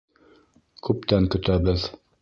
Күптән көтәбеҙ.